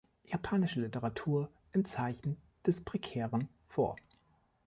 Japanische Literatur im Zeichen des Prekären“ vor.